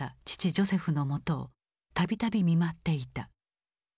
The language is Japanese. ジョセフのもとをたびたび見舞っていた。